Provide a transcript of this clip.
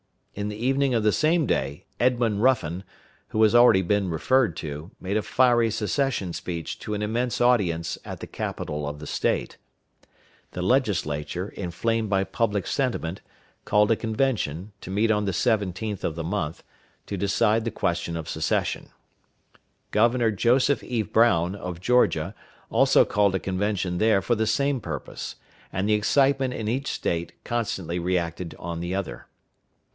In the evening of the same day, Edmund Ruffin, who has already been referred to, made a fiery secession speech to an immense audience at the capitol of the State. The Legislature, inflamed by public sentiment, called a convention, to meet on the 17th of the month, to decide the question of secession. Governor Joseph E. Brown, of Georgia, also called a convention there for the same purpose; and the excitement in each State constantly reacted on the other.